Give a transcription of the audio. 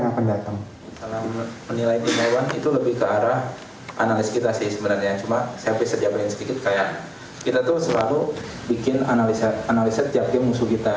cuma saya bisa jabarin sedikit kita selalu bikin analisa tiap game musuh kita